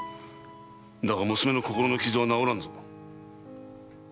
だが娘の心の傷は治らんぞ。